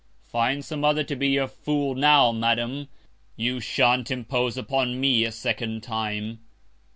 Find some other to be your Fool now, Madam; you shan't impose upon me a second Time.